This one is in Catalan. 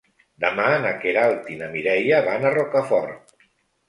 Demà na Queralt i na Mireia van a Rocafort.